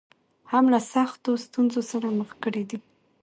هم له سختو ستونزو سره مخ کړې دي.